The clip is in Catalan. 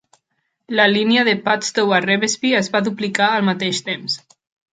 La línia de Padstow a Revesby es va duplicar al mateix temps.